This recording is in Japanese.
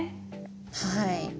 はい。